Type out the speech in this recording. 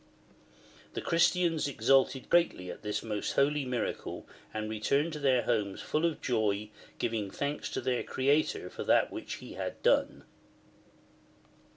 The Christians exulted greatly at this most holy miracle, and returned to their homes full of joy, giving thanks to their Creator for that which He had done.